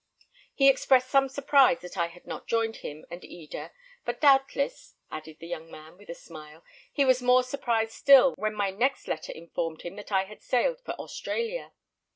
He expressed some surprise that I had not joined him and Eda; but, doubtless," added the young man, with a smile, "he was more surprised still when my next letter informed him that I had sailed for Australia.